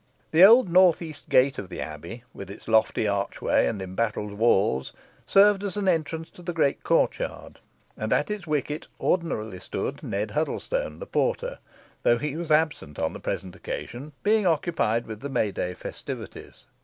The old north east gate of the Abbey, with its lofty archway and embattled walls, served as an entrance to the great court yard, and at its wicket ordinarily stood Ned Huddlestone, the porter, though he was absent on the present occasion, being occupied with the May day festivities.